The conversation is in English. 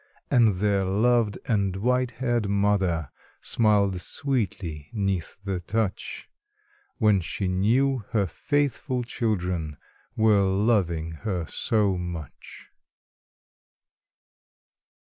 And their loved and white haired mother Smiled sweetly 'neath the touch, When she knew her faithful children Were loving her so much.